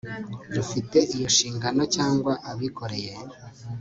rufite iyo nshingano cyangwa abikoreye